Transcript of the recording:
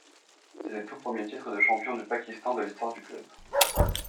C'est le tout premier titre de champion du Pakistan de l'histoire du club.